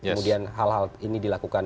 kemudian hal hal ini dilakukan